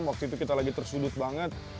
waktu itu kita lagi tersudut banget